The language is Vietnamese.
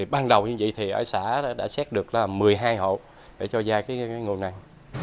ban đầu như vậy thì ở xã đã xét được một mươi hai hộ để cho ra cái nguồn này